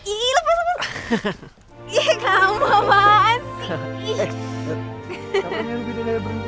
iya apaan sih